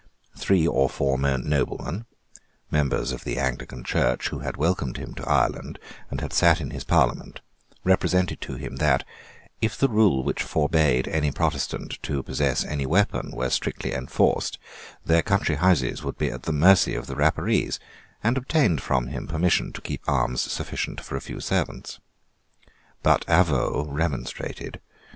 Three or four noblemen, members of the Anglican Church, who had welcomed him to Ireland, and had sate in his Parliament, represented to him that, if the rule which forbade any Protestant to possess any weapon were strictly enforced, their country houses would be at the mercy of the Rapparees, and obtained from him permission to keep arms sufficient for a few servants. But Avaux remonstrated.